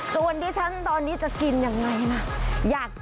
จนฉันตอนนี้จะกินอย่างไรนะ